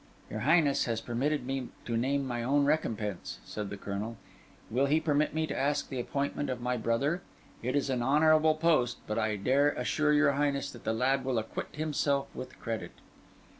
"Your Highness has permitted me to name my own recompense," said the Colonel. "Will he permit me to ask the appointment of my brother? It is an honourable post, but I dare assure your Highness that the lad will acquit himself with credit."